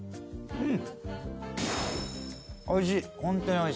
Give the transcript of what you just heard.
うん！